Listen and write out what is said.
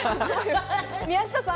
宮下さん